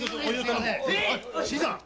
新さん！